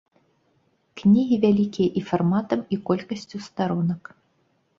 Кнігі вялікія і фарматам, і колькасцю старонак.